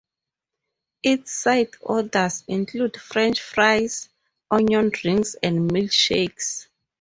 Its side orders include French fries, onion rings and milkshakes.